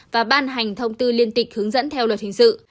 và ban hành thông tư liên tịch hướng dẫn theo luật hình sự